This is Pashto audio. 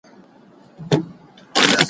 سړي وویل حاکمه ستا قربان سم